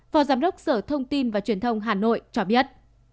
phó giám đốc sở thông tin và truyền thông hà nội cho biết